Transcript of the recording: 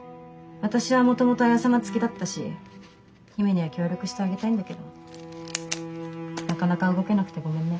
私はもともと文様付きだったし姫には協力してあげたいんだけどなかなか動けなくてごめんね。